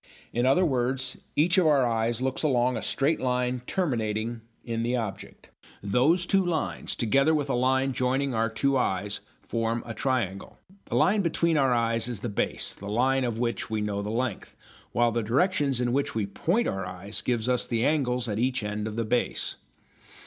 In other words, each of our eyes looks along a straight line terminating in the object. Those two lines, together with a line joining our two eyes, form a triangle. The line between our eyes is the "base," the line of which we know the length, while the directions in which we point our eyes give us the angles at each end of the base.